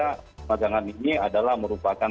pemajangan ini adalah merupakan